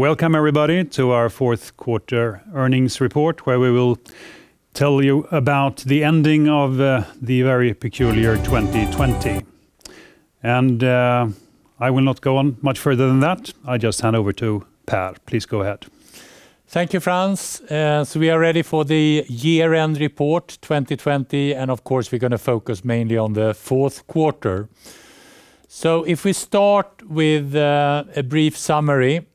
Welcome everybody to our Fourth Quarter Earnings Report, where we will tell you about the ending of the very peculiar 2020. I will not go on much further than that. I just hand over to Per. Please go ahead. Thank you, Frans. We are ready for the year-end report 2020, and of course, we're going to focus mainly on the fourth quarter. If we start with a brief summary,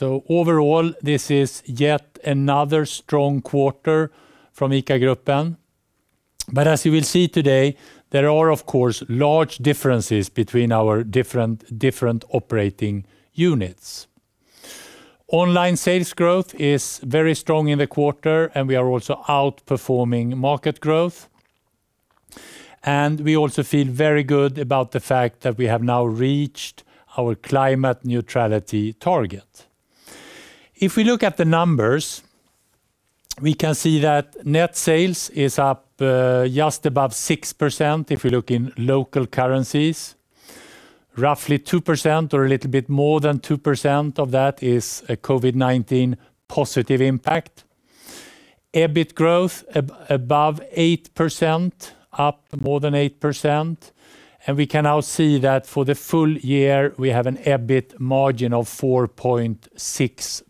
overall, this is yet another strong quarter from ICA Gruppen. As you will see today, there are, of course, large differences between our different operating units. Online sales growth is very strong in the quarter, and we are also outperforming market growth. We also feel very good about the fact that we have now reached our climate neutrality target. If we look at the numbers, we can see that net sales is up just above 6% if we look in local currencies. Roughly 2% or a little bit more than 2% of that is a COVID-19 positive impact. EBIT growth above 8%, up more than 8%, and we can now see that for the full year, we have an EBIT margin of 4.6%. We also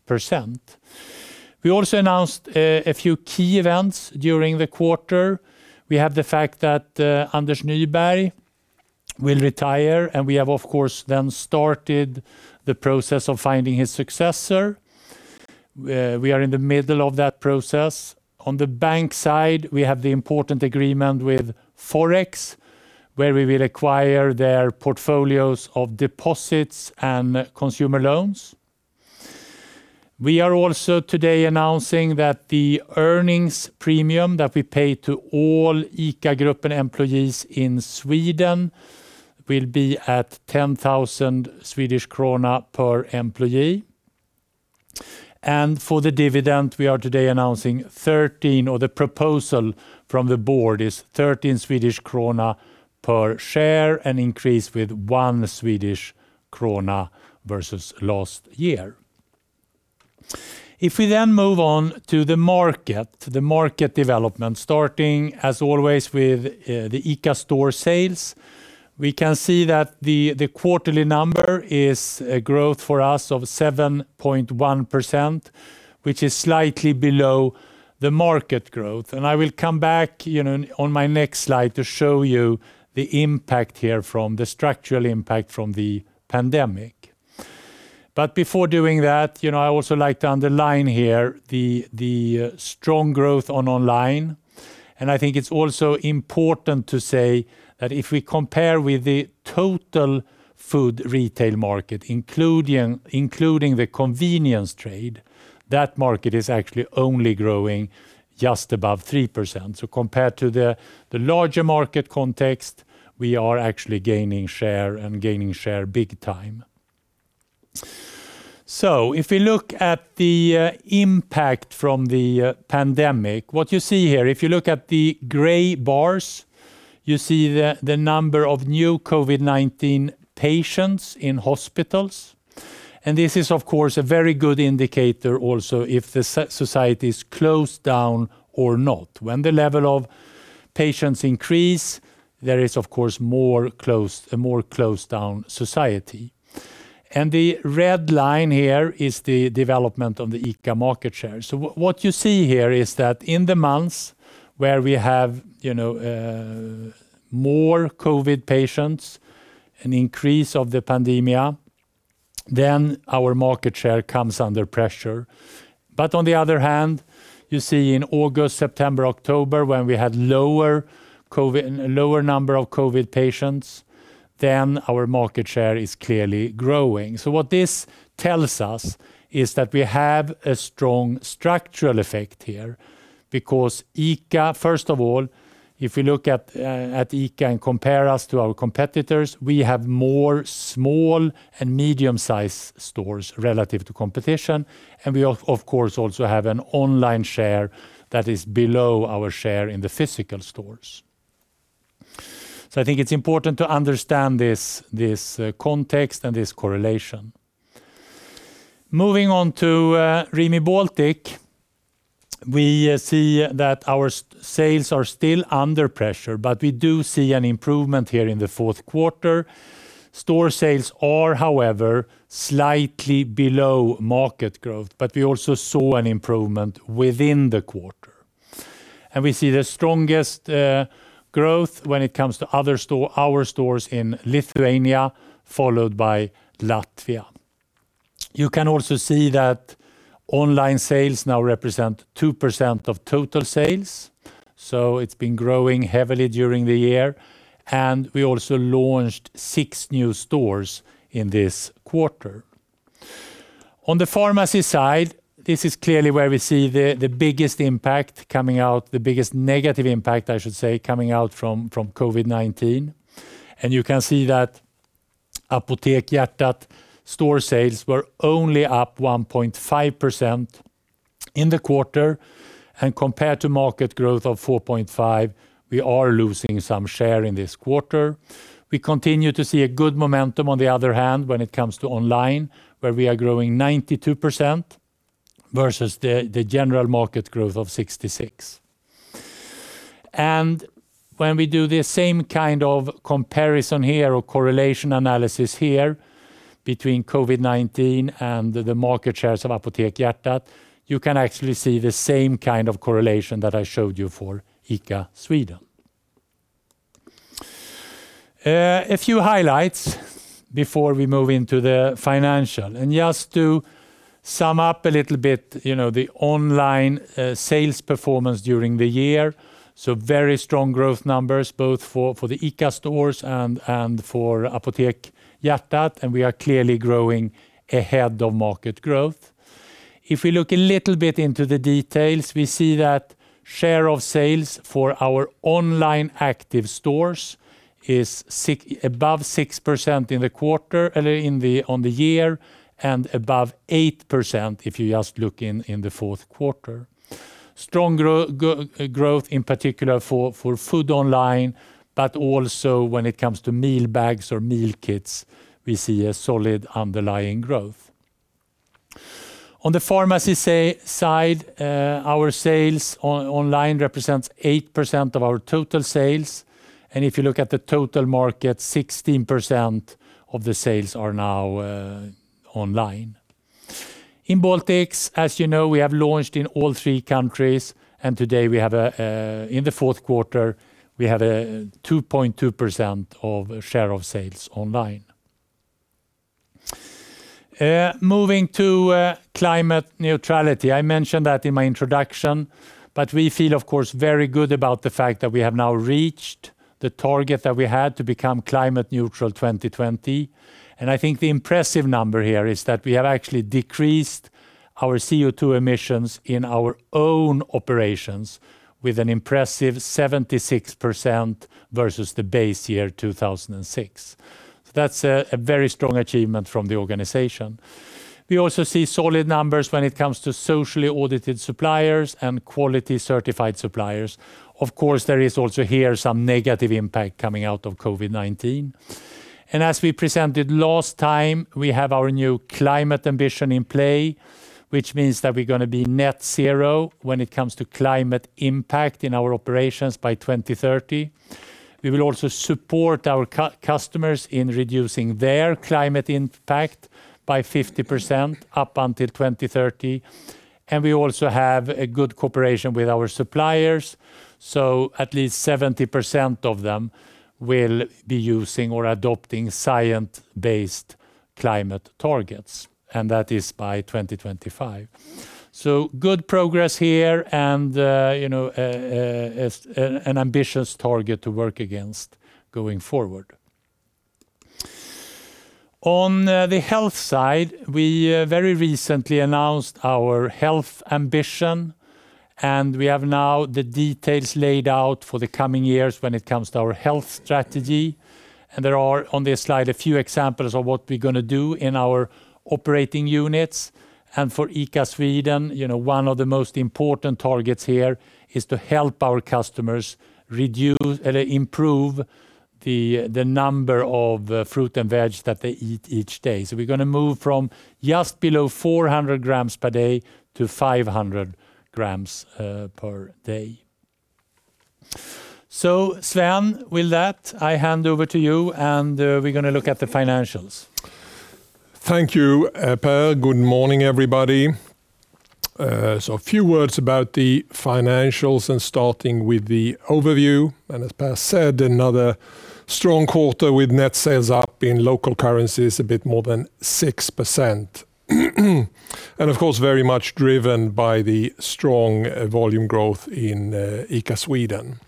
announced a few key events during the quarter. We have the fact that Anders Nyberg will retire, and we have, of course, then started the process of finding his successor. We are in the middle of that process. On the bank side, we have the important agreement with FOREX, where we will acquire their portfolios of deposits and consumer loans. We are also today announcing that the earnings premium that we pay to all ICA Gruppen employees in Sweden will be at SEK 10,000 per employee. For the dividend, we are today announcing 13, or the proposal from the board is 13 Swedish krona per share, an increase with 1 Swedish krona versus last year. We move on to the market development, starting as always with the ICA store sales. We can see that the quarterly number is a growth for us of 7.1%, which is slightly below the market growth. I will come back on my next slide to show you the structural impact here from the pandemic. Before doing that, I also like to underline here the strong growth on online. I think it's also important to say that if we compare with the total food retail market, including the convenience trade, that market is actually only growing just above 3%. Compared to the larger market context, we are actually gaining share and gaining share big time. If we look at the impact from the pandemic, what you see here, if you look at the gray bars, you see the number of new COVID-19 patients in hospitals. This is, of course, a very good indicator also if the society is closed down or not. When the level of patients increase, there is, of course, a more closed down society. The red line here is the development of the ICA market share. What you see here is that in the months where we have more COVID patients, an increase of the pandemic, then our market share comes under pressure. On the other hand, you see in August, September, October, when we had lower number of COVID patients, then our market share is clearly growing. What this tells us is that we have a strong structural effect here because ICA, first of all, if we look at ICA and compare us to our competitors, we have more small and medium size stores relative to competition, and we of course also have an online share that is below our share in the physical stores. I think it's important to understand this context and this correlation. Moving on to Rimi Baltic, we see that our sales are still under pressure, but we do see an improvement here in the fourth quarter. Store sales are, however, slightly below market growth, but we also saw an improvement within the quarter. We see the strongest growth when it comes to our stores in Lithuania, followed by Latvia. You can also see that online sales now represent 2% of total sales, so it's been growing heavily during the year, and we also launched six new stores in this quarter. On the pharmacy side, this is clearly where we see the biggest impact coming out, the biggest negative impact, I should say, coming out from COVID-19. You can see that Apotek Hjärtat store sales were only up 1.5% in the quarter, and compared to market growth of 4.5%, we are losing some share in this quarter. We continue to see a good momentum, on the other hand, when it comes to online, where we are growing 92% versus the general market growth of 66%. When we do the same kind of comparison here, or correlation analysis here, between COVID-19 and the market shares of Apotek Hjärtat, you can actually see the same kind of correlation that I showed you for ICA Sweden. A few highlights before we move into the financial. Just to sum up a little bit, the online sales performance during the year. Very strong growth numbers both for the ICA stores and for Apotek Hjärtat, and we are clearly growing ahead of market growth. If we look a little bit into the details, we see that share of sales for our online active stores is above 6% on the year and above 8% if you just look in the fourth quarter. Strong growth in particular for food online, but also when it comes to meal bags or meal kits, we see a solid underlying growth. On the pharmacy side, our sales online represents 8% of our total sales. If you look at the total market, 16% of the sales are now online. In Baltics, as you know, we have launched in all three countries. Today, in the fourth quarter, we have a 2.2% of share of sales online. Moving to climate neutrality. I mentioned that in my introduction, we feel, of course, very good about the fact that we have now reached the target that we had to become climate neutral 2020. I think the impressive number here is that we have actually decreased our CO2 emissions in our own operations with an impressive 76% versus the base year 2006. That's a very strong achievement from the organization. We also see solid numbers when it comes to socially audited suppliers and quality certified suppliers. Of course, there is also here some negative impact coming out of COVID-19. As we presented last time, we have our new climate ambition in play, which means that we're going to be net zero when it comes to climate impact in our operations by 2030. We will also support our customers in reducing their climate impact by 50% up until 2030. We also have a good cooperation with our suppliers. At least 70% of them will be using or adopting science-based climate targets, and that is by 2025. Good progress here and an ambitious target to work against going forward. On the health side, we very recently announced our health ambition, and we have now the details laid out for the coming years when it comes to our health strategy. There are on this slide a few examples of what we're going to do in our operating units. For ICA Sweden, one of the most important targets here is to help our customers improve the number of fruit and veg that they eat each day. We're going to move from just below 400 g per day-500 g per day. Sven, with that, I hand over to you and we're going to look at the financials. Thank you, Per. Good morning, everybody. A few words about the financials and starting with the overview. As Per said, another strong quarter with net sales up in local currencies a bit more than 6%. Of course, very much driven by the strong volume growth in ICA Sweden.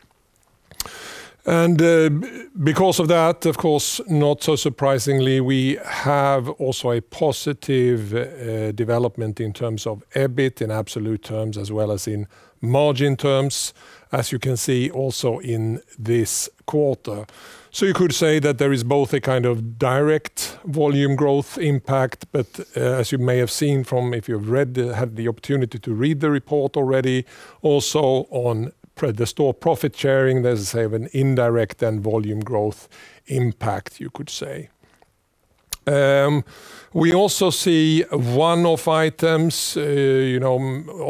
Because of that, of course, not so surprisingly, we have also a positive development in terms of EBIT in absolute terms as well as in margin terms, as you can see also in this quarter. You could say that there is both a kind of direct volume growth impact, but as you may have seen from, if you've had the opportunity to read the report already, also on the store profit sharing, there's an indirect and volume growth impact, you could say. We also see one-off items.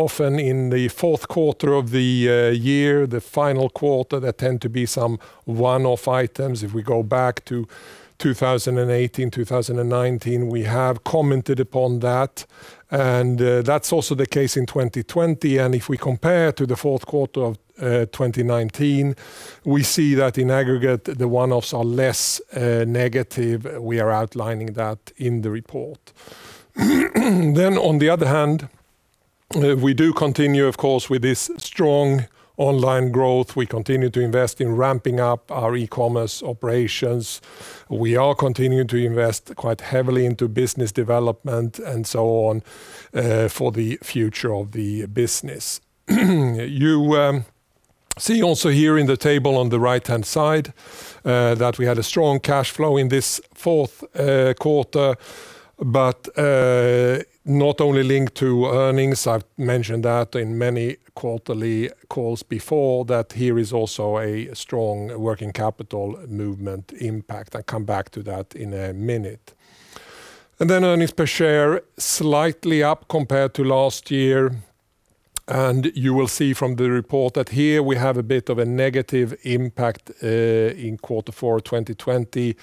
Often in the fourth quarter of the year, the final quarter, there tend to be some one-off items. If we go back to 2018, 2019, we have commented upon that. That's also the case in 2020. If we compare to the fourth quarter of 2019, we see that in aggregate, the one-offs are less negative. We are outlining that in the report. On the other hand, we do continue, of course, with this strong online growth. We continue to invest in ramping up our e-commerce operations. We are continuing to invest quite heavily into business development and so on for the future of the business. See also here in the table on the right-hand side that we had a strong cash flow in this fourth quarter, but not only linked to earnings. I've mentioned that in many quarterly calls before that here is also a strong working capital movement impact. I'll come back to that in a minute. Earnings per share, slightly up compared to last year. You will see from the report that here we have a bit of a negative impact, in quarter four 2020,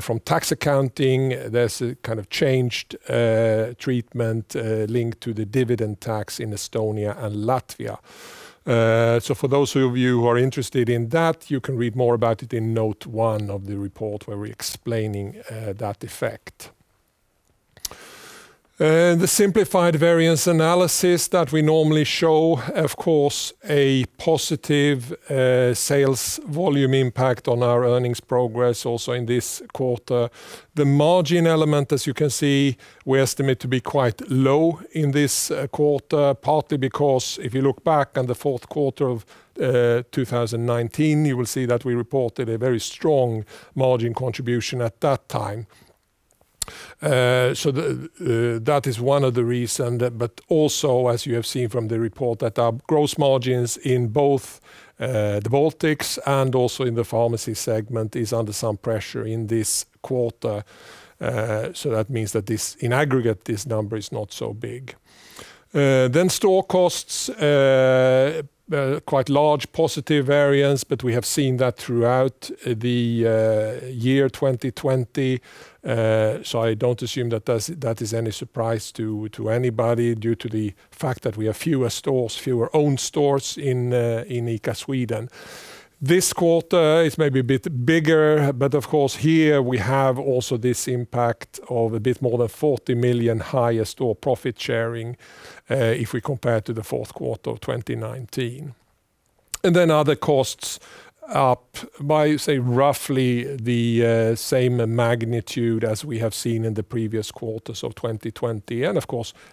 from tax accounting. There's a changed treatment, linked to the dividend tax in Estonia and Latvia. For those of you who are interested in that, you can read more about it in note one of the report, where we're explaining that effect. The simplified variance analysis that we normally show, of course, a positive sales volume impact on our earnings progress also in this quarter. The margin element, as you can see, we estimate to be quite low in this quarter. If you look back on the fourth quarter of 2019, you will see that we reported a very strong margin contribution at that time. That is one of the reasons. As you have seen from the report, that our gross margins in both the Baltics and also in the pharmacy segment is under some pressure in this quarter. That means that in aggregate, this number is not so big. Store costs, quite large positive variance, but we have seen that throughout the year 2020. I don't assume that is any surprise to anybody due to the fact that we have fewer owned stores in ICA Sweden. This quarter is maybe a bit bigger, but of course here we have also this impact of a bit more than 40 million higher store profit sharing, if we compare to the fourth quarter of 2019. Other costs up by, say, roughly the same magnitude as we have seen in the previous quarters of 2020.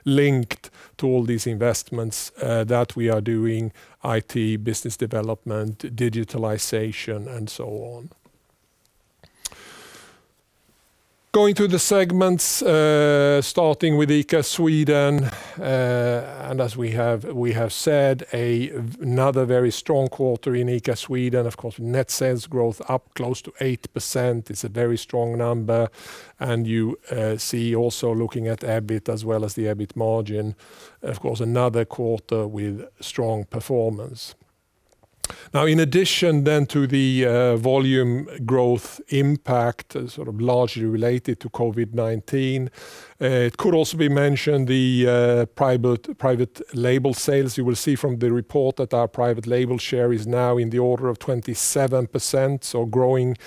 Linked to all these investments that we are doing: IT, business development, digitalization, and so on. Going through the segments, starting with ICA Sweden, as we have said, another very strong quarter in ICA Sweden. Net sales growth up close to 8%. It's a very strong number. You see also looking at EBIT as well as the EBIT margin, of course, another quarter with strong performance. In addition to the volume growth impact, largely related to COVID-19, it could also be mentioned the private label sales. You will see from the report that our private label share is now in the order of 27%, so growing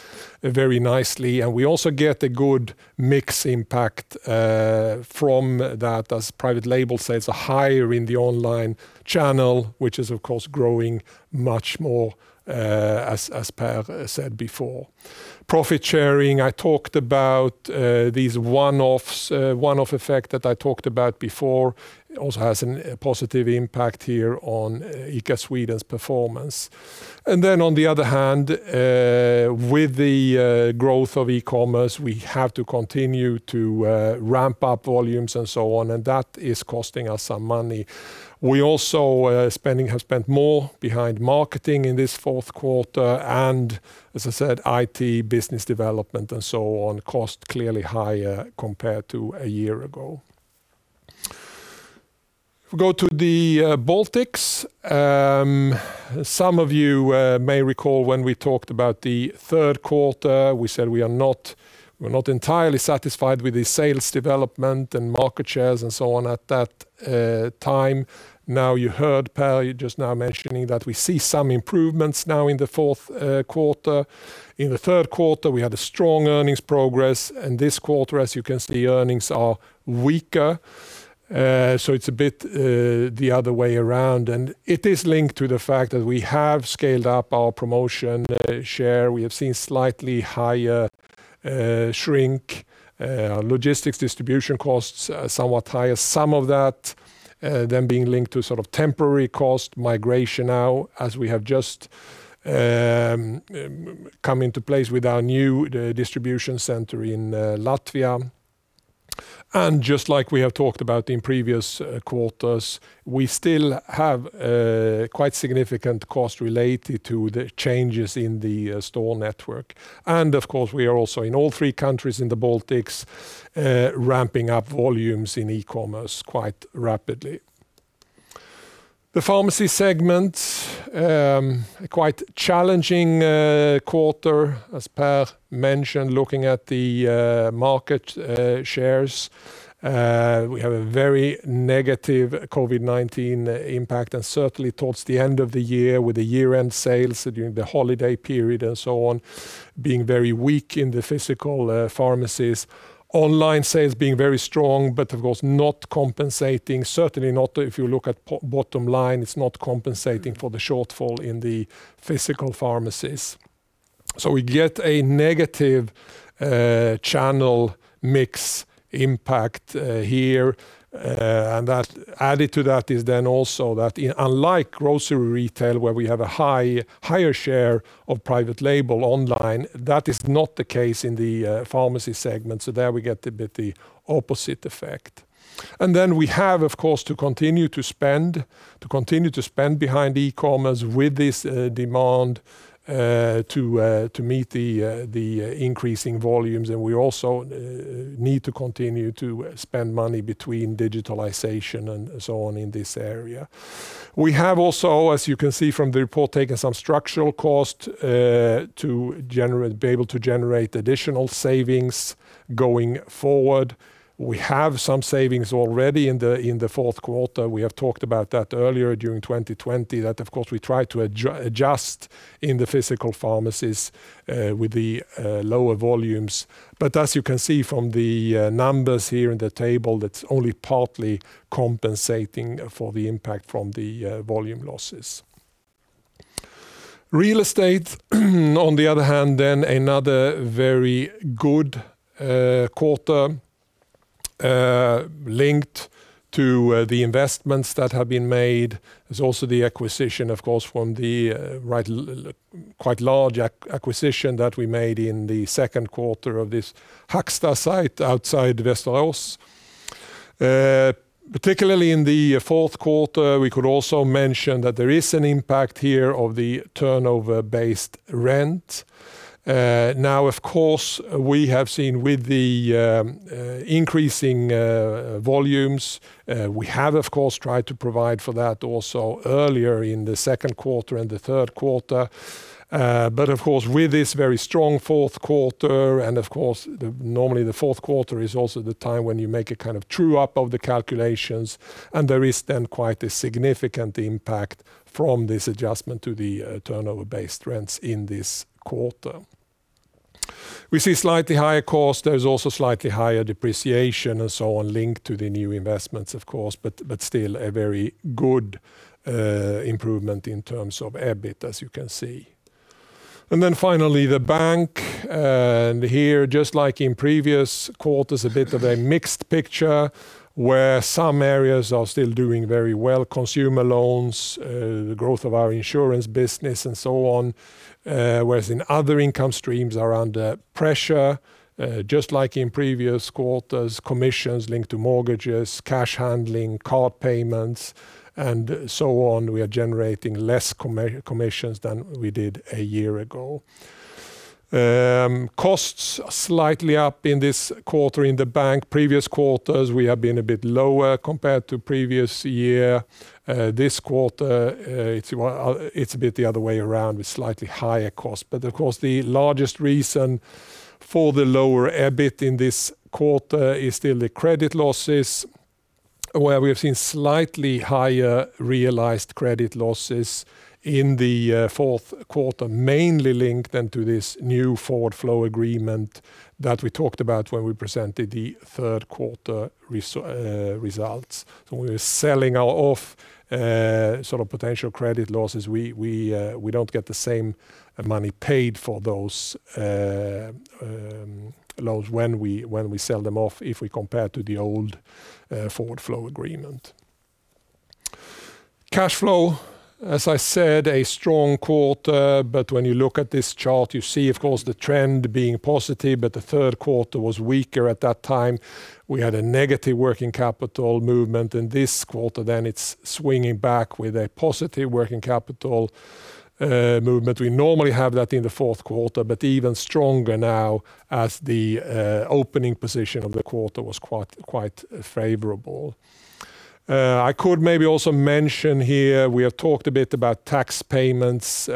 very nicely. We also get a good mix impact from that as private label sales are higher in the online channel, which is of course growing much more, as Per said before. Profit sharing, these one-off effect that I talked about before also has a positive impact here on ICA Sweden's performance. On the other hand, with the growth of e-commerce, we have to continue to ramp up volumes and so on, and that is costing us some money. We also have spent more behind marketing in this fourth quarter, and as I said, IT, business development, and so on cost clearly higher compared to a year ago. If we go to the Baltics, some of you may recall when we talked about the third quarter, we said we're not entirely satisfied with the sales development and market shares and so on at that time. You heard Per just now mentioning that we see some improvements now in the fourth quarter. In the third quarter, we had a strong earnings progress, and this quarter, as you can see, earnings are weaker. It's a bit the other way around. It is linked to the fact that we have scaled up our promotion share. We have seen slightly higher shrink. Logistics distribution costs are somewhat higher. Some of that then being linked to temporary cost migration now as we have just come into place with our new distribution center in Latvia. Just like we have talked about in previous quarters, we still have quite significant cost related to the changes in the store network. Of course, we are also in all three countries in the Baltics ramping up volumes in e-commerce quite rapidly. The pharmacy segment, quite challenging quarter as Per mentioned, looking at the market shares. We have a very negative COVID-19 impact and certainly towards the end of the year with the year-end sales during the holiday period and so on being very weak in the physical pharmacies. Online sales being very strong, but of course not compensating, certainly not if you look at bottom line. It's not compensating for the shortfall in the physical pharmacies. We get a negative channel mix impact here. Added to that is also that, unlike grocery retail where we have a higher share of private label online, that is not the case in the pharmacy segment. There we get a bit the opposite effect. We have, of course, to continue to spend behind e-commerce with this demand to meet the increasing volumes, and we also need to continue to spend money between digitalization and so on in this area. We have also, as you can see from the report, taken some structural costs to be able to generate additional savings going forward. We have some savings already in the fourth quarter. We have talked about that earlier during 2020. That, of course, we try to adjust in the physical pharmacies with the lower volumes. As you can see from the numbers here in the table, that's only partly compensating for the impact from the volume losses. Real Estate, on the other hand, another very good quarter linked to the investments that have been made. There's also the quite large acquisition that we made in the second quarter of this Hacksta site outside Västerås. Particularly in the fourth quarter, we could also mention that there is an impact here of the turnover-based rent. Of course, we have seen with the increasing volumes, we have tried to provide for that also earlier in the second quarter and the third quarter. With this very strong fourth quarter, and normally the fourth quarter is also the time when you make a true-up of the calculations, there is then quite a significant impact from this adjustment to the turnover-based rents in this quarter. We see slightly higher costs. There's also slightly higher depreciation and so on linked to the new investments, of course, but still a very good improvement in terms of EBIT, as you can see. Finally, the bank. Here, just like in previous quarters, a bit of a mixed picture where some areas are still doing very well, consumer loans, the growth of our insurance business, and so on. Whereas in other income streams are under pressure, just like in previous quarters, commissions linked to mortgages, cash handling, card payments, and so on. We are generating less commissions than we did a year ago. Costs are slightly up in this quarter in the bank. Previous quarters we have been a bit lower compared to previous year. This quarter, it's a bit the other way around with slightly higher costs. The largest reason for the lower EBIT in this quarter is still the credit losses, where we have seen slightly higher realized credit losses in the fourth quarter, mainly linked to this new forward flow agreement that we talked about when we presented the third quarter results. When we're selling off potential credit losses, we don't get the same money paid for those loans when we sell them off if we compare to the old forward flow agreement. Cash flow, as I said, a strong quarter. When you look at this chart, you see the trend being positive, but the third quarter was weaker at that time. We had a negative working capital movement in this quarter. It's swinging back with a positive working capital movement. We normally have that in the fourth quarter, but even stronger now as the opening position of the quarter was quite favorable. I could maybe also mention here, we have talked a bit about tax payments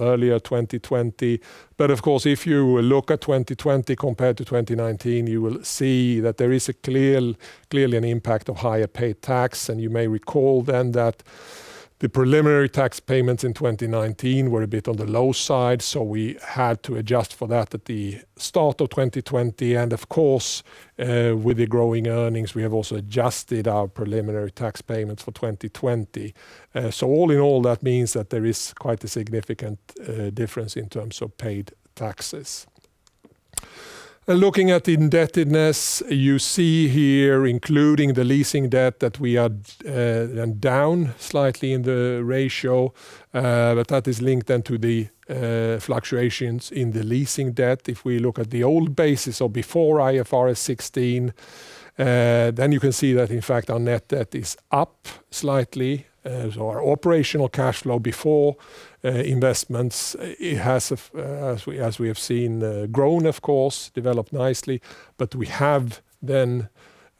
earlier 2020. If you look at 2020 compared to 2019, you will see that there is clearly an impact of higher paid tax. You may recall that the preliminary tax payments in 2019 were a bit on the low side, so we had to adjust for that at the start of 2020. With the growing earnings, we have also adjusted our preliminary tax payments for 2020. All in all, that means that there is quite a significant difference in terms of paid taxes. Looking at the indebtedness, you see here, including the leasing debt, that we are down slightly in the ratio. That is linked to the fluctuations in the leasing debt. If we look at the old basis or before IFRS 16, then you can see that in fact our net debt is up slightly as our operational cash flow before investments. It has, as we have seen, grown, of course, developed nicely. We have then,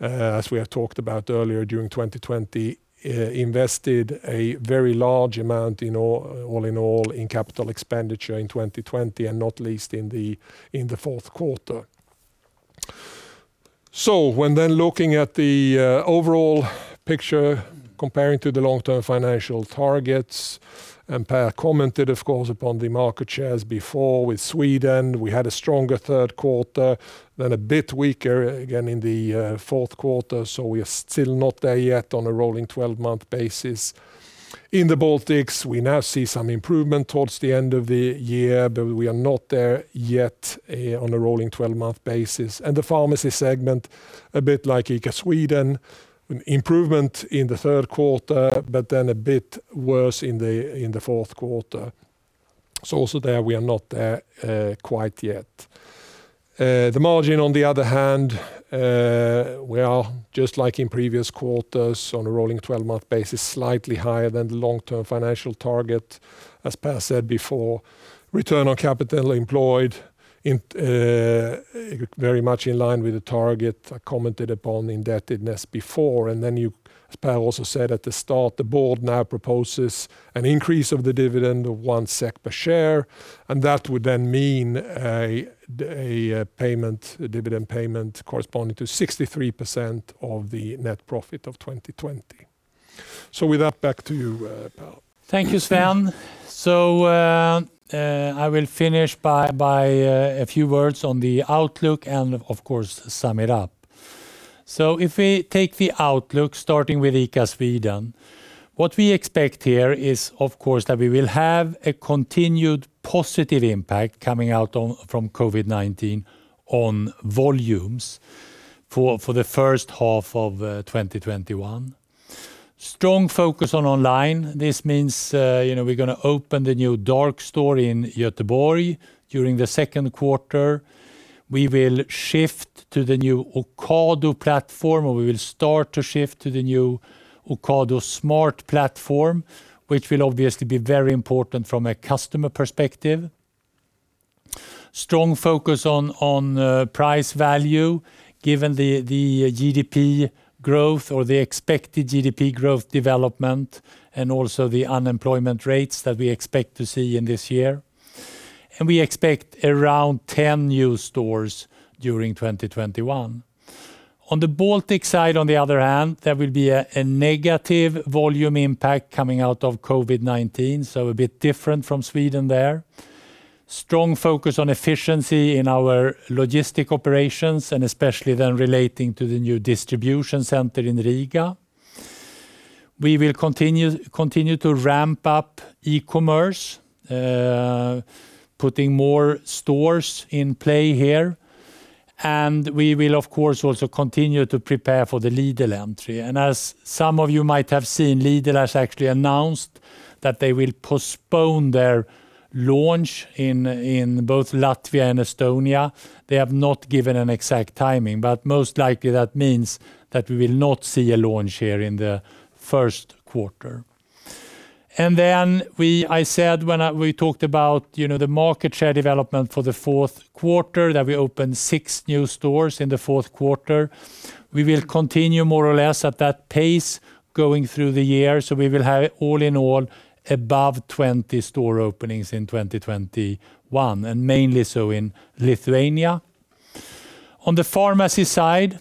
as we have talked about earlier during 2020, invested a very large amount all in all in capital expenditure in 2020, and not least in the fourth quarter. Looking at the overall picture comparing to the long-term financial targets, Per commented upon the market shares before with Sweden. We had a stronger third quarter, then a bit weaker again in the fourth quarter, we are still not there yet on a rolling 12-month basis. In the Baltics, we now see some improvement towards the end of the year, we are not there yet on a rolling 12-month basis. The pharmacy segment, a bit like ICA Sweden, improvement in the third quarter, a bit worse in the fourth quarter. Also there, we are not there quite yet. The margin, on the other hand, we are just like in previous quarters on a rolling 12-month basis, slightly higher than the long-term financial target, as Per said before. Return on capital employed, very much in line with the target. I commented upon indebtedness before, and then as Per also said at the start, the board now proposes an increase of the dividend of 1 SEK per share, and that would then mean a dividend payment corresponding to 63% of the net profit of 2020. With that, back to you, Per. Thank you, Sven. I will finish by a few words on the outlook and of course, sum it up. If we take the outlook starting with ICA Sweden, what we expect here is, of course, that we will have a continued positive impact coming out from COVID-19 on volumes for the first half of 2021. Strong focus on online. This means we're going to open the new dark store in Göteborg during the second quarter. We will shift to the new Ocado Smart Platform, or we will start to shift to the new Ocado Smart Platform, which will obviously be very important from a customer perspective. Strong focus on price value given the GDP growth or the expected GDP growth development, and also the unemployment rates that we expect to see in this year. We expect around 10 new stores during 2021. On the Baltic side, on the other hand, there will be a negative volume impact coming out of COVID-19, a bit different from Sweden there. Strong focus on efficiency in our logistic operations, especially then relating to the new distribution center in Riga. We will continue to ramp up e-commerce, putting more stores in play here. We will, of course, also continue to prepare for the Lidl entry. As some of you might have seen, Lidl has actually announced that they will postpone their launch in both Latvia and Estonia. They have not given an exact timing, most likely that means that we will not see a launch here in the first quarter. I said when we talked about the market share development for the fourth quarter, that we opened six new stores in the fourth quarter. We will continue more or less at that pace going through the year. We will have all in all above 20 store openings in 2021, and mainly so in Lithuania. On the pharmacy side,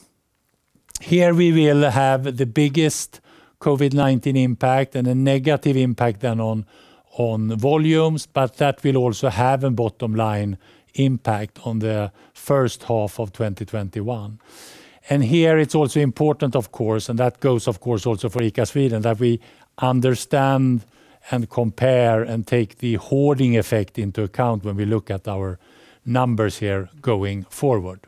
here we will have the biggest COVID-19 impact and a negative impact then on volumes, but that will also have a bottom-line impact on the first half of 2021. Here it's also important, of course, and that goes of course also for ICA Sweden, that we understand and compare and take the hoarding effect into account when we look at our numbers here going forward.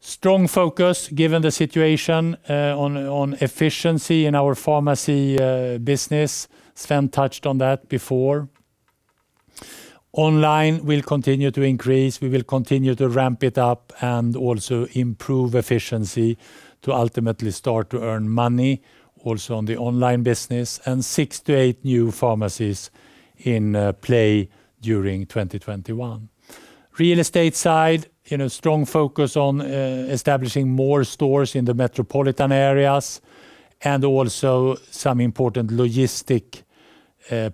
Strong focus given the situation on efficiency in our pharmacy business. Sven touched on that before. Online will continue to increase. We will continue to ramp it up and also improve efficiency to ultimately start to earn money also on the online business. Six to eight new pharmacies in play during 2021. Real estate side, strong focus on establishing more stores in the metropolitan areas and also some important logistic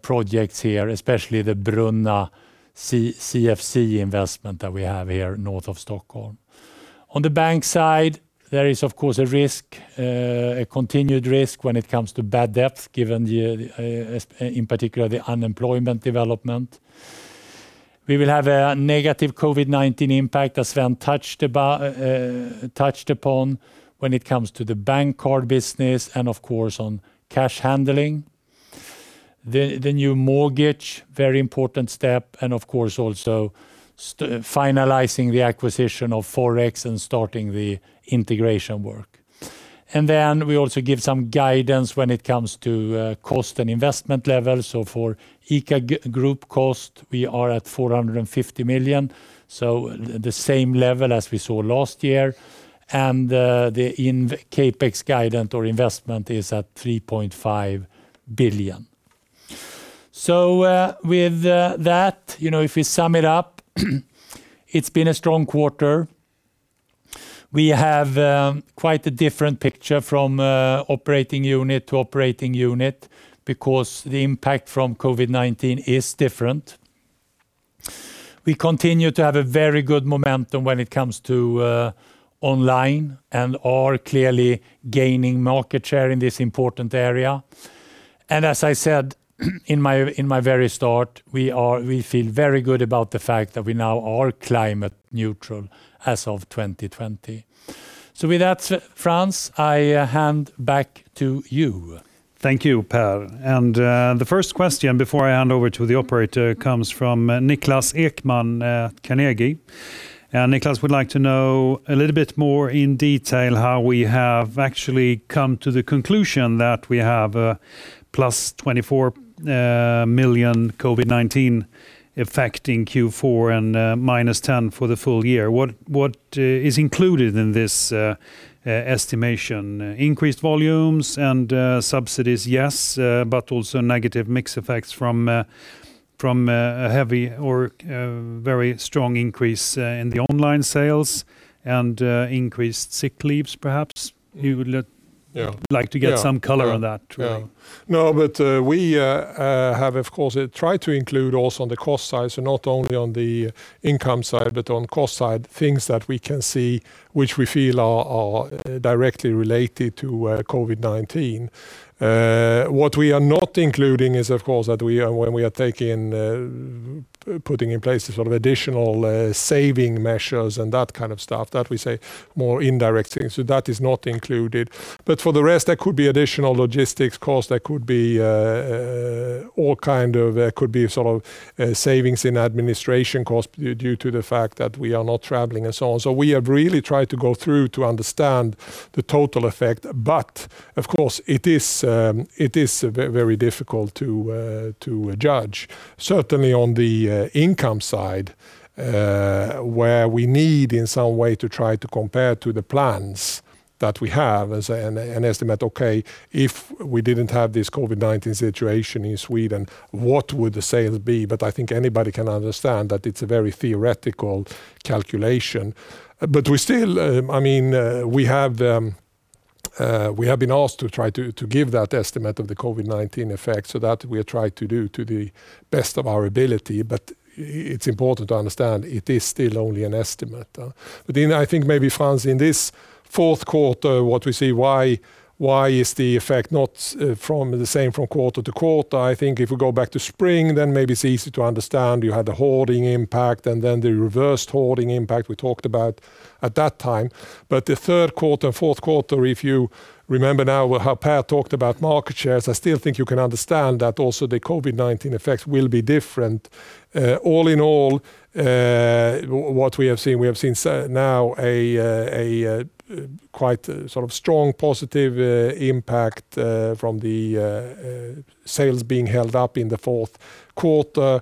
projects here, especially the Brunna CFC investment that we have here north of Stockholm. On the bank side, there is of course a continued risk when it comes to bad debts, given in particular the unemployment development. We will have a negative COVID-19 impact, as Sven touched upon when it comes to the bank card business and of course on cash handling. The new mortgage, very important step, and of course also finalizing the acquisition of FOREX and starting the integration work. We also give some guidance when it comes to cost and investment levels. For ICA Gruppen cost, we are at 450 million, the same level as we saw last year. The CapEx guidance or investment is at 3.5 billion. With that, if we sum it up, it's been a strong quarter. We have quite a different picture from operating unit to operating unit because the impact from COVID-19 is different. We continue to have a very good momentum when it comes to online and are clearly gaining market share in this important area. As I said in my very start, we feel very good about the fact that we now are climate neutral as of 2020. With that, Frans, I hand back to you. Thank you, Per. The first question before I hand over to the operator comes from Niklas Ekman, Carnegie. Niklas would like to know a little bit more in detail how we have actually come to the conclusion that we have a +24 million COVID-19 affecting Q4 and -10 for the full year. What is included in this estimation? Increased volumes and subsidies, yes, but also negative mix effects from a heavy or very strong increase in the online sales and increased sick leaves perhaps. You would like to get some color on that too. No, we have, of course, tried to include also on the cost side, so not only on the income side but on cost side, things that we can see which we feel are directly related to COVID-19. What we are not including is, of course, when we are putting in place additional saving measures and that kind of stuff that we say more indirect things. That is not included. For the rest, there could be additional logistics cost, there could be savings in administration costs due to the fact that we are not traveling and so on. We have really tried to go through to understand the total effect. Of course it is very difficult to judge certainly on the income side, where we need in some way to try to compare to the plans that we have as an estimate. If we didn't have this COVID-19 situation in Sweden, what would the sales be? I think anybody can understand that it's a very theoretical calculation. We have been asked to try to give that estimate of the COVID-19 effect so that we try to do to the best of our ability, but it's important to understand it is still only an estimate. I think maybe, Frans, in this fourth quarter, what we see why is the effect not the same from quarter to quarter? I think if we go back to spring, then maybe it's easy to understand. You had the hoarding impact and then the reverse hoarding impact we talked about at that time. The third quarter, fourth quarter, if you remember now how Per talked about market shares, I still think you can understand that also the COVID-19 effects will be different. All in all, what we have seen now a quite strong positive impact from the sales being held up in the fourth quarter.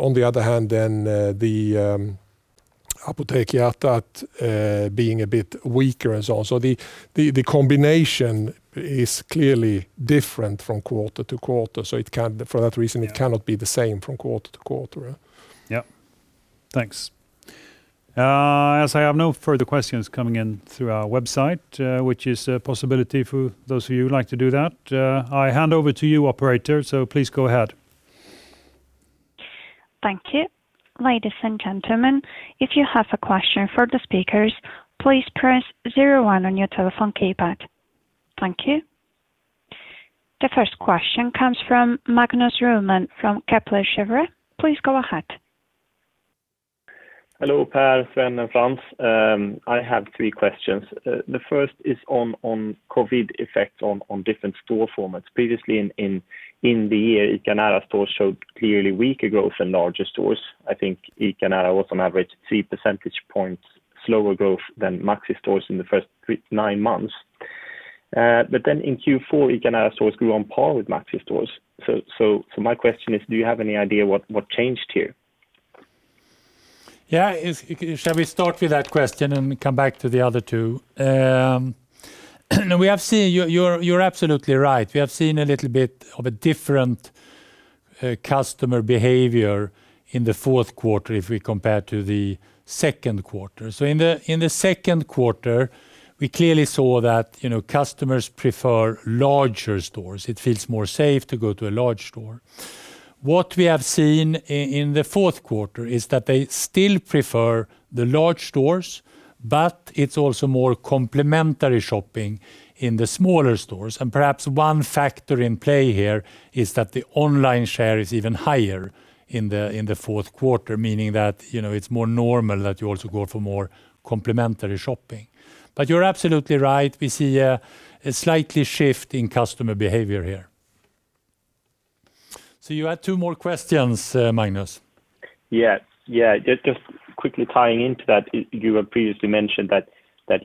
On the other hand, then the Apotek Hjärtat being a bit weaker as well. The combination is clearly different from quarter to quarter. For that reason, it cannot be the same from quarter to quarter. Yep. Thanks. As I have no further questions coming in through our website, which is a possibility for those of you who like to do that, I hand over to you, operator, so please go ahead. Thank you. Ladies and gentlemen, if you have a question for the speakers, please press zero one on your telephone keypad. Thank you. The first question comes from Magnus Ryman from Kepler Cheuvreux. Please go ahead. Hello, Per, Sven, and Frans. I have three questions. The first is on COVID effects on different store formats. Previously in the year, ICA Nära stores showed clearly weaker growth than larger stores. I think ICA Nära was on average three percentage points slower growth than Maxi stores in the first nine months. In Q4, ICA Nära stores grew on par with Maxi stores. My question is, do you have any idea what changed here? Yeah. Shall we start with that question and come back to the other two? You're absolutely right. We have seen a little bit of a different customer behavior in the fourth quarter if we compare to the second quarter. In the second quarter, we clearly saw that customers prefer larger stores. It feels more safe to go to a large store. What we have seen in the fourth quarter is that they still prefer the large stores, but it's also more complementary shopping in the smaller stores. Perhaps one factor in play here is that the online share is even higher in the fourth quarter, meaning that it's more normal that you also go for more complementary shopping. You're absolutely right. We see a slight shift in customer behavior here. You had two more questions, Magnus. Yeah. Just quickly tying into that, you have previously mentioned that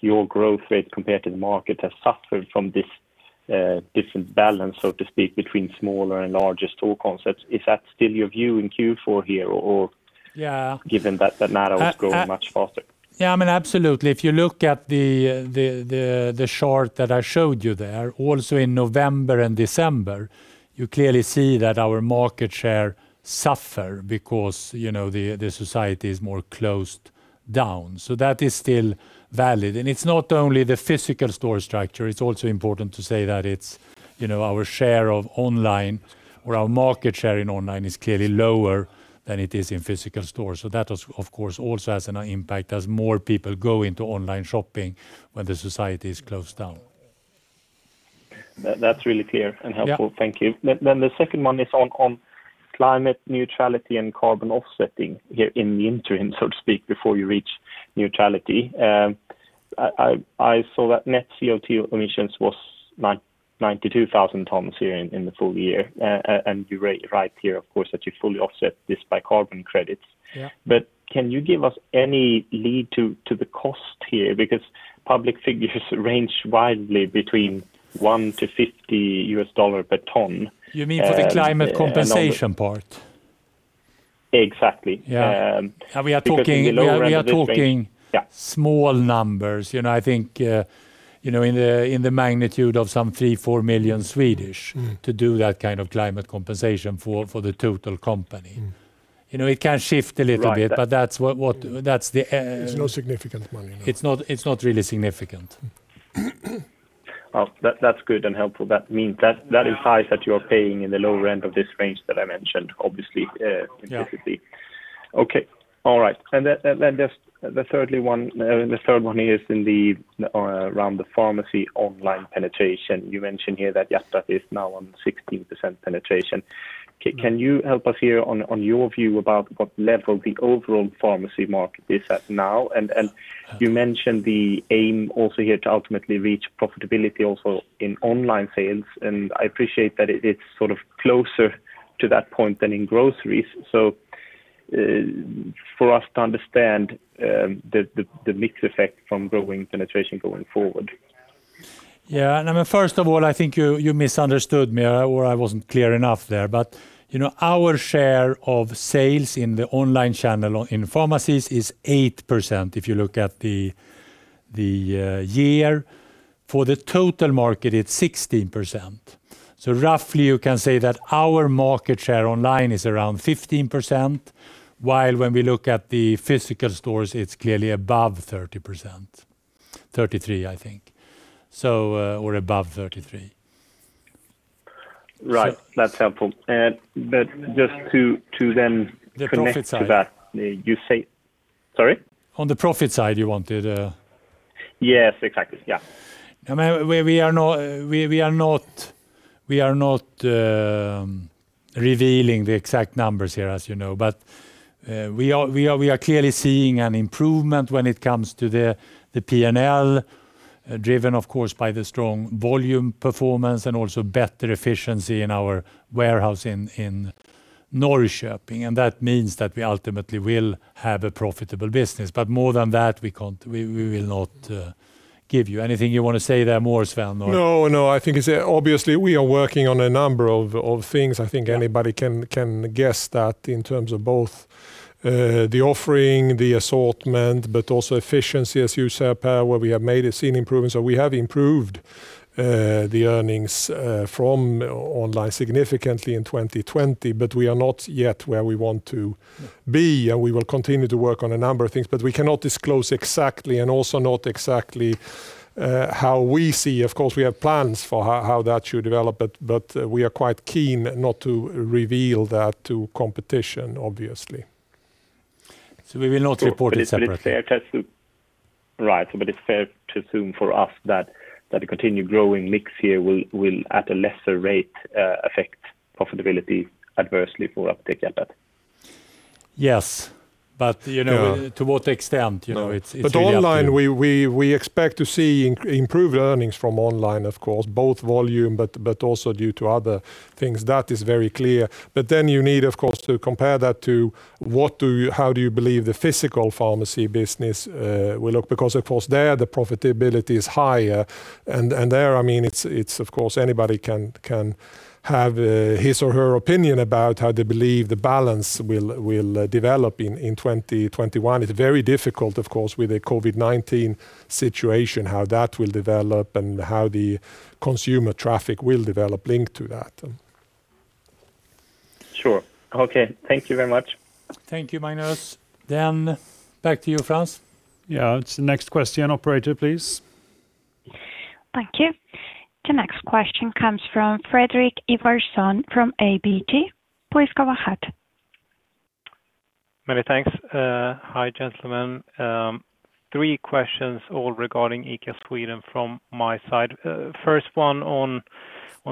your growth rate compared to the market has suffered from this different balance, so to speak, between smaller and larger store concepts. Is that still your view in Q4 here given that Nära was growing much faster? Yeah, absolutely. If you look at the chart that I showed you there, also in November and December, you clearly see that our market share suffer because the society is more closed down. That is still valid, and it's not only the physical store structure, it's also important to say that our share of online or our market share in online is clearly lower than it is in physical stores. That, of course, also has an impact as more people go into online shopping when the society is closed down. That's really clear and helpful. Yeah. Thank you. The second one is on climate neutrality and carbon offsetting here in the interim, so to speak, before you reach neutrality. I saw that net CO2 emissions was 92,000 tons here in the full year. You're right here, of course, that you fully offset this by carbon credits. Yeah. Can you give us any lead to the cost here? Because public figures range widely between $1-$50 per ton. You mean for the climate compensation part? Exactly. Yeah. In the lower end of this range. We are talking. Yeah Small numbers. I think in the magnitude of some 3 million, 4 million to do that kind of climate compensation for the total company. It can shift a little bit. Right. But that's the. It's no significant money, no. It's not really significant. That's good and helpful. That implies that you are paying in the lower end of this range that I mentioned, obviously, specifically. Yeah. Okay. All right. The third one here is around the pharmacy online penetration. You mentioned here that Apotek is now on 16% penetration. Can you help us here on your view about what level the overall pharmacy market is at now? You mentioned the aim also here to ultimately reach profitability also in online sales, and I appreciate that it is closer to that point than in groceries, for us to understand the mix effect from growing penetration going forward. First of all, I think you misunderstood me, or I wasn't clear enough there. Our share of sales in the online channel in pharmacies is 8%, if you look at the year. For the total market, it's 16%. Roughly you can say that our market share online is around 15%, while when we look at the physical stores, it's clearly above 30%. 33%, I think, or above 33%. Right. That's helpful. The profit side. Connect to that. Sorry? On the profit side, you wanted. Yes, exactly. Yeah. We are not revealing the exact numbers here, as you know, but we are clearly seeing an improvement when it comes to the P&L, driven of course by the strong volume performance and also better efficiency in our warehouse in Norrköping, and that means that we ultimately will have a profitable business. More than that, we will not give you. Anything you want to say there more, Sven, or? I think obviously we are working on a number of things. I think anybody can guess that in terms of both the offering, the assortment, but also efficiency, as you said, Per, where we have seen improvements. We have improved the earnings from online significantly in 2020. We are not yet where we want to be. We will continue to work on a number of things, but we cannot disclose exactly, and also not exactly how we see. Of course, we have plans for how that should develop, but we are quite keen not to reveal that to competition, obviously. We will not report it separately. Right. It's fair to assume for us that the continued growing mix here will, at a lesser rate, affect profitability adversely for Apotek Hjärtat? Yes. To what extent? It's really up to. Online, we expect to see improved earnings from online, of course. Both volume, but also due to other things. That is very clear. Then you need, of course, to compare that to how do you believe the physical pharmacy business will look because, of course, there the profitability is higher. There, of course, anybody can have his or her opinion about how they believe the balance will develop in 2021. It's very difficult, of course, with a COVID-19 situation, how that will develop and how the consumer traffic will develop linked to that. Sure. Okay. Thank you very much. Thank you, Magnus. Back to you, Frans. Yeah. Next question, operator, please. Thank you. The next question comes from Fredrik Ivarsson from ABG. Please go ahead. Many thanks. Hi, gentlemen. Three questions all regarding ICA Sweden from my side. First one on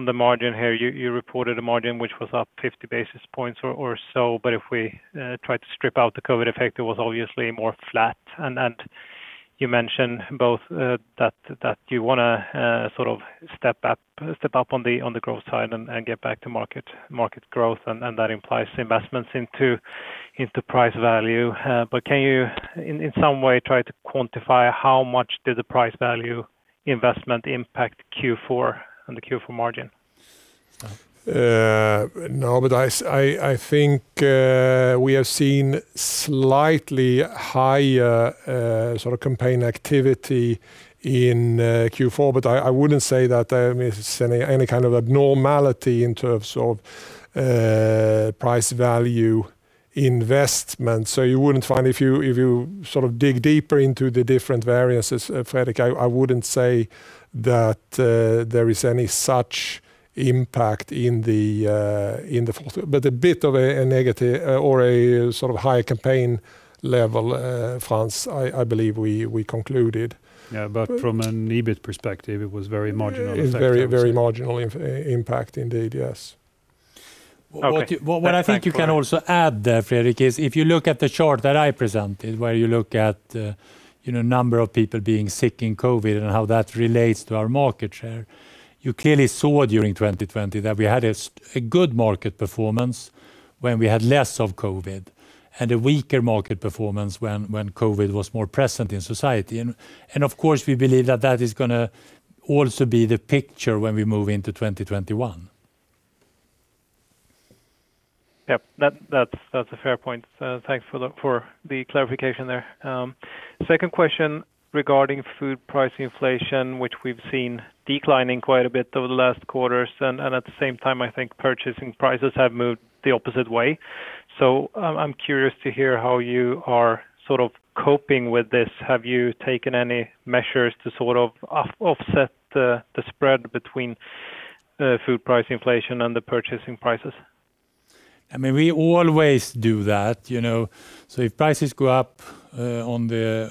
the margin here. You reported a margin which was up 50 basis points or so, but if we try to strip out the COVID effect, it was obviously more flat. You mentioned both that you want to step up on the growth side and get back to market growth, and that implies investments into price value. Can you in some way try to quantify how much did the price value investment impact Q4 and the Q4 margin? I think we have seen slightly higher campaign activity in Q4, but I wouldn't say that there is any kind of abnormality in terms of price value investment. If you dig deeper into the different variances, Fredrik, I wouldn't say that there is any such impact. A bit of a negative or a higher campaign level, Frans, I believe we concluded. Yeah, from an EBIT perspective, it was very marginal effect, I would say. Very marginal impact indeed. Yes. Okay. What I think you can also add there, Fredrik, is if you look at the chart that I presented, where you look at the number of people being sick in COVID and how that relates to our market share. You clearly saw during 2020 that we had a good market performance when we had less of COVID, and a weaker market performance when COVID was more present in society. Of course, we believe that is going to also be the picture when we move into 2021. Yep. That's a fair point. Thanks for the clarification there. Second question regarding food price inflation, which we've seen declining quite a bit over the last quarters. At the same time, I think purchasing prices have moved the opposite way. I'm curious to hear how you are coping with this. Have you taken any measures to offset the spread between food price inflation and the purchasing prices? We always do that. If prices go up on the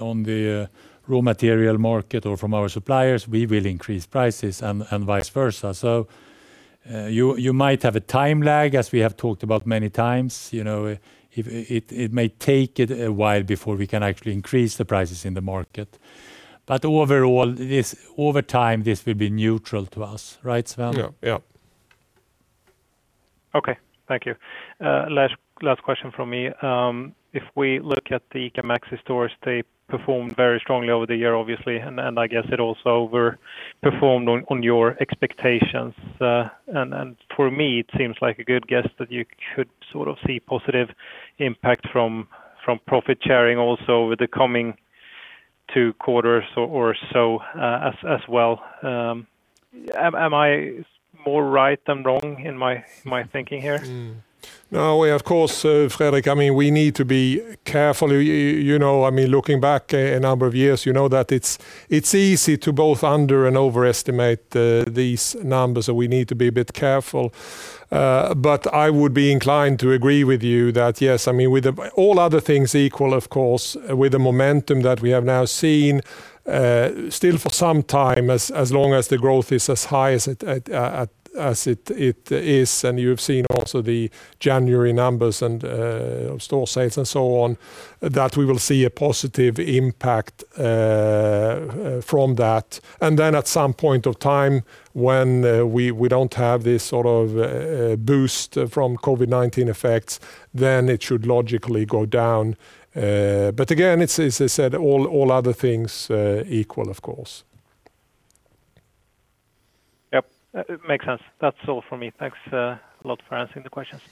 raw material market or from our suppliers, we will increase prices and vice versa. You might have a time lag, as we have talked about many times. It may take it a while before we can actually increase the prices in the market. Overall, over time, this will be neutral to us. Right, Sven? Yeah. Okay. Thank you. Last question from me. If we look at the ICA Maxi stores, they performed very strongly over the year, obviously. I guess it also overperformed on your expectations. For me, it seems like a good guess that you should see positive impact from profit sharing also over the coming two quarters or so as well. Am I more right than wrong in my thinking here? Well, of course, Fredrik, we need to be careful. Looking back a number of years, you know that it's easy to both under and overestimate these numbers, we need to be a bit careful. I would be inclined to agree with you that yes, with all other things equal, of course, with the momentum that we have now seen, still for some time, as long as the growth is as high as it is. You've seen also the January numbers and store sales and so on, that we will see a positive impact from that. At some point of time when we don't have this boost from COVID-19 effects, it should logically go down. Again, as I said, all other things equal, of course. Yep. Makes sense. That's all from me. Thanks a lot for answering the questions.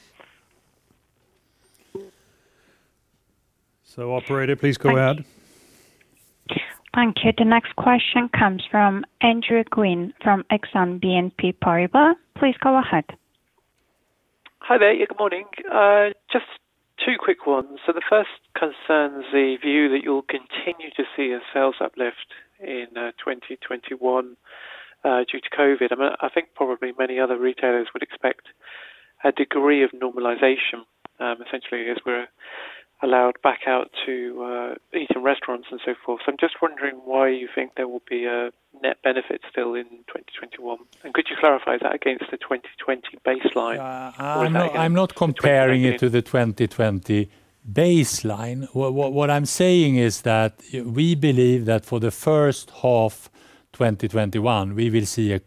Operator, please go ahead. Thank you. The next question comes from Andrew Gwynn from Exane BNP Paribas. Please go ahead. Hi there. Good morning. Just two quick ones. The first concerns the view that you'll continue to see a sales uplift in 2021 due to COVID. I think probably many other retailers would expect a degree of normalization, essentially, as we're allowed back out to eat in restaurants and so forth. I'm just wondering why you think there will be a net benefit still in 2021, and could you clarify that against the 2020 baseline? I'm not comparing it to the 2020 baseline. What I'm saying is that we believe that for the first half 2021, we will see a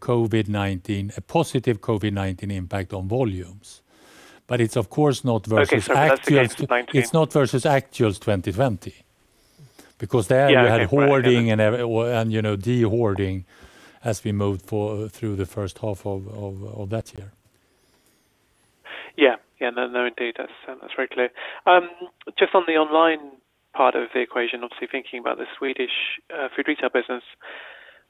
positive COVID-19 impact on volumes. It's of course not versus. Okay. That's against the 2019? It's not versus actuals 2020, because there we had hoarding and de-hoarding as we moved through the first half of that year. Yeah. No, indeed. That's very clear. Just on the online part of the equation, obviously thinking about the Swedish food retail business.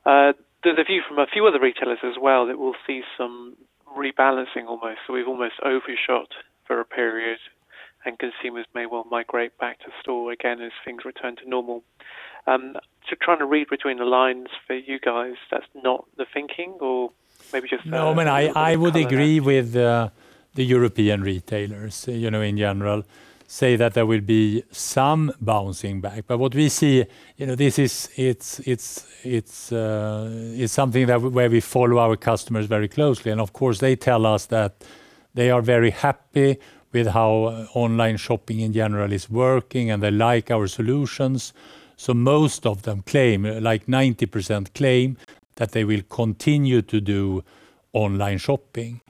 There's a view from a few other retailers as well that we'll see some rebalancing almost, so we've almost overshot for a period, and consumers may well migrate back to store again as things return to normal. Trying to read between the lines for you guys, that's not the thinking? I would agree with the European retailers in general, say that there will be some bouncing back. What we see, it's something where we follow our customers very closely. Of course, they tell us that they are very happy with how online shopping in general is working, and they like our solutions. Most of them claim, like 90% claim that they will continue to do online shopping.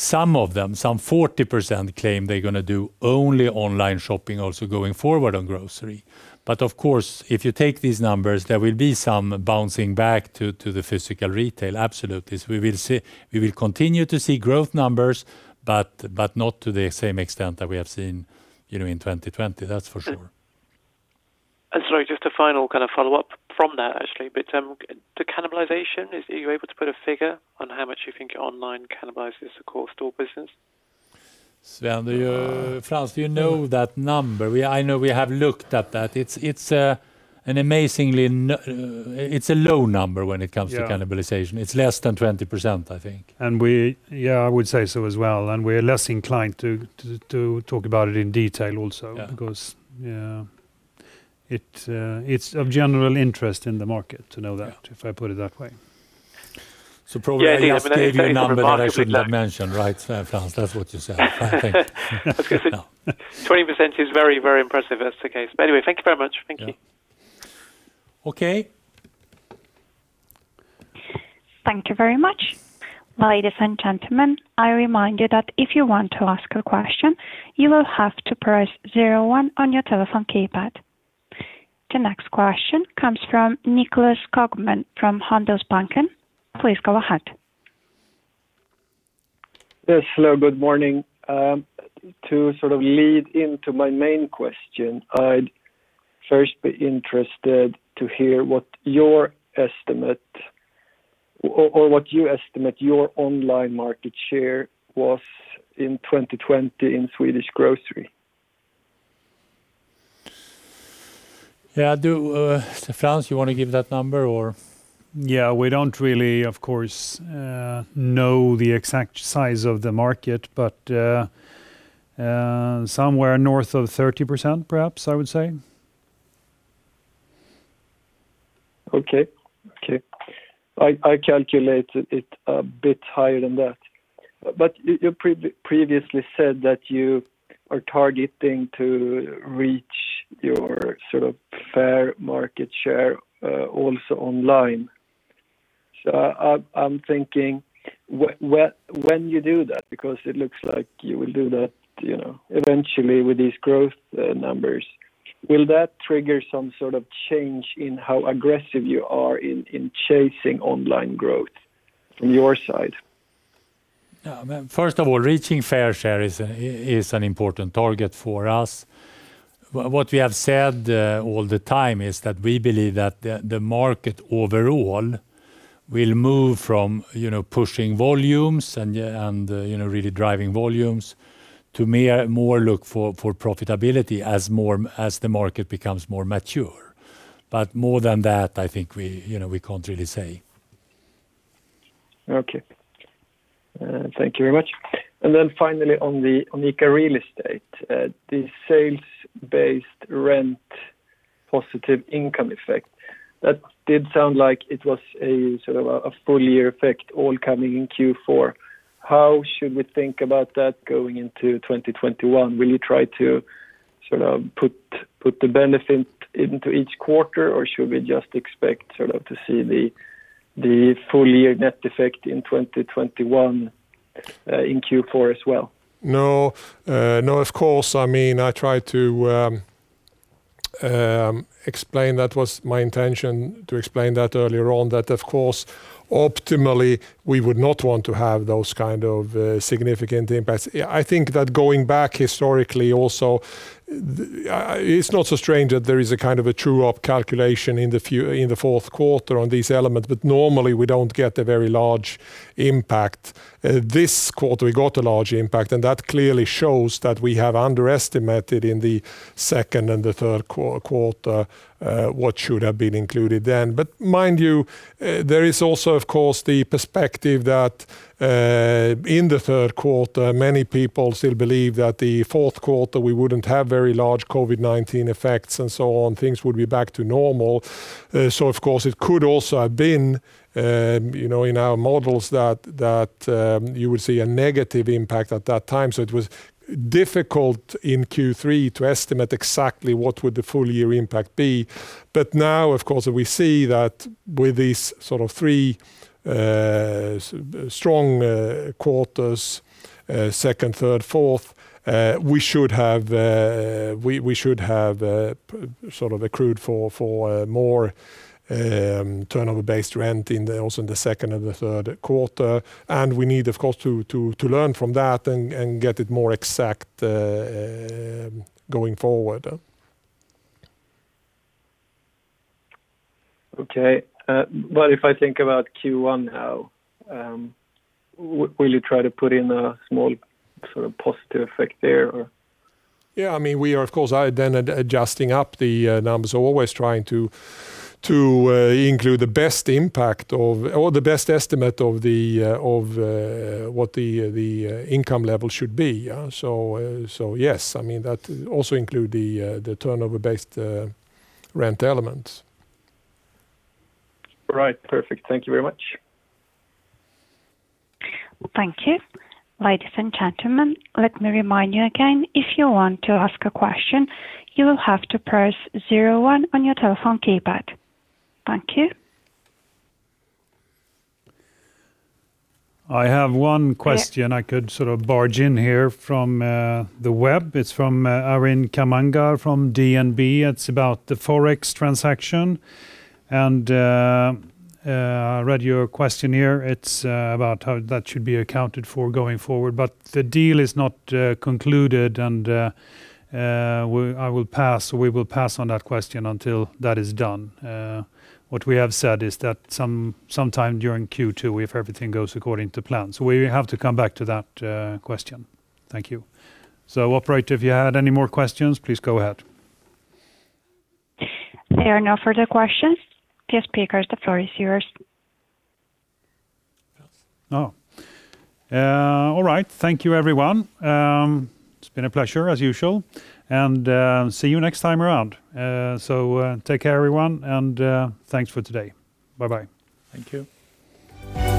Some of them, some 40% claim they're going to do only online shopping also going forward on grocery. Of course, if you take these numbers, there will be some bouncing back to the physical retail, absolutely. We will continue to see growth numbers, but not to the same extent that we have seen in 2020, that's for sure. Sorry, just a final follow-up from that, actually. The cannibalization, are you able to put a figure on how much you think online cannibalizes the core store business? Sven, Frans, do you know that number? I know we have looked at that. It's a low number when it comes to cannibalization. Yeah. It's less than 20%, I think. We, yeah, I would say so as well. We're less inclined to talk about it in detail also. Yeah. Yeah. It's of general interest in the market to know that, if I put it that way. Yeah, I mean. I just gave you a number that I shouldn't have mentioned, right, Frans? That's what you're saying. I was going to say 20% is very impressive if that's the case. Anyway, thank you very much. Thank you. Yeah. Okay. Thank you very much. Ladies and gentlemen, I remind you that if you want to ask a question, you will have to press zero one on your telephone keypad. The next question comes from Niklas Kockman from Handelsbanken. Please go ahead. Yes, hello. Good morning. To lead into my main question, I'd first be interested to hear what your estimate, or what you estimate your online market share was in 2020 in Swedish grocery? Yeah. Frans, you want to give that number or? Yeah. We don't really, of course, know the exact size of the market, but somewhere north of 30%, perhaps, I would say. Okay. I calculated it a bit higher than that. You previously said that you are targeting to reach your fair market share also online. I'm thinking when you do that, because it looks like you will do that eventually with these growth numbers, will that trigger some sort of change in how aggressive you are in chasing online growth on your side? First of all, reaching fair share is an important target for us. What we have said all the time is that we believe that the market overall will move from pushing volumes and really driving volumes to more look for profitability as the market becomes more mature. More than that, I think we can't really say. Okay. Thank you very much. Finally on the ICA Real Estate, the sales-based rent positive income effect, that did sound like it was a full-year effect all coming in Q4. How should we think about that going into 2021? Will you try to put the benefit into each quarter, or should we just expect to see the full-year net effect in 2021 in Q4 as well? No, of course. I tried to explain, that was my intention to explain that earlier on, that of course optimally we would not want to have those kind of significant impacts. I think that going back historically also, it's not so strange that there is a kind of a true-up calculation in the fourth quarter on these elements, but normally we don't get a very large impact. This quarter we got a large impact, and that clearly shows that we have underestimated in the second and the third quarter what should have been included then. Mind you, there is also, of course, the perspective that in the third quarter, many people still believed that the fourth quarter we wouldn't have very large COVID-19 effects and so on. Things would be back to normal. Of course it could also have been in our models that you would see a negative impact at that time. It was difficult in Q3 to estimate exactly what would the full year impact be. Now, of course, we see that with these three strong quarters, second, third, fourth, we should have accrued for more turnover-based rent also in the second and the third quarter. We need, of course, to learn from that and get it more exact going forward. Okay. If I think about Q1 now, will you try to put in a small positive effect there or? Of course, I then adjusting up the numbers. Always trying to include the best impact or the best estimate of what the income level should be. Yes, that also include the turnover-based rent elements. Right. Perfect. Thank you very much. Thank you. Ladies and gentlemen, let me remind you again, if you want to ask a question, you will have to press zero one on your telephone keypad. Thank you. I have one question I could barge in here from the web. It is from Arian Khamangar from DNB. It is about the FOREX transaction. I read your questionnaire. It is about how that should be accounted for going forward. The deal is not concluded, and we will pass on that question until that is done. What we have said is that sometime during Q2, if everything goes according to plan. We will have to come back to that question. Thank you. Operator, if you had any more questions, please go ahead. There are no further questions. Guest speakers, the floor is yours. All right. Thank you, everyone. It's been a pleasure as usual, and see you next time around. Take care, everyone, and thanks for today. Bye-bye. Thank you.